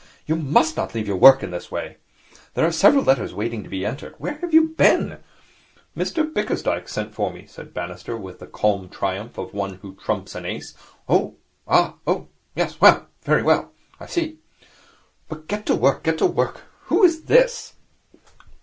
You must not leave your work in this way. There are several letters waiting to be entered. Where have you been?' 'Mr Bickersdyke sent for me,' said Bannister, with the calm triumph of one who trumps an ace. 'Oh! Ah! Oh! Yes, very well. I see. But get to work, get to work. Who is this?'